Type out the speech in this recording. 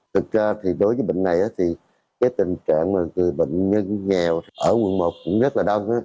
thực ra thì đối với bệnh này thì cái tình trạng là người bệnh nhân nghèo ở quận một cũng rất là đông